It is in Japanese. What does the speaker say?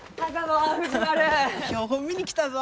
標本見に来たぞ。